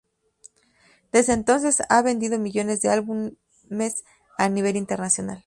Desde entonces ha vendido millones de álbumes a nivel internacional.